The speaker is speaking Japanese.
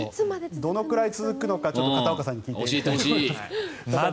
どのくらい続くのか片岡さんに聞いておきます。